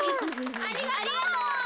ありがとう。